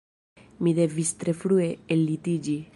Mi devis tre frue ellitiĝi